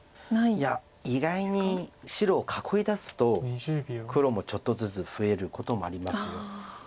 いや意外に白囲いだすと黒もちょっとずつ増えることもあります。